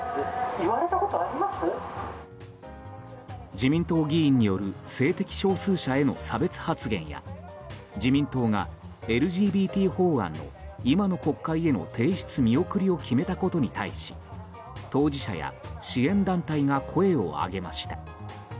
自民党議員による性的少数者への差別発言や自民党が、ＬＧＢＴ法案の今の国会への提出見送りを決めたことに対し当事者や支援団体が声を上げました。